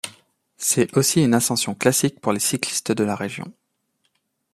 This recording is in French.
C'est aussi une ascension classique pour les cyclistes de la région.